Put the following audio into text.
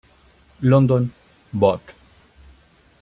London, Bot.